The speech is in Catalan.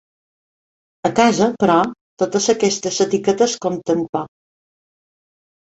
A casa, però, totes aquestes etiquetes compten poc.